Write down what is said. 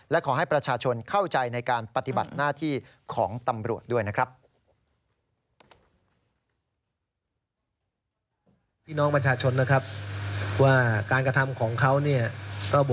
และขอให้ประชาชนเข้าใจในการปฏิบัติหน้าที่ของตำรวจด้วยนะครับ